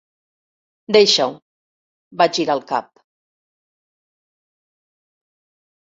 Deixa-ho; va girar el cap.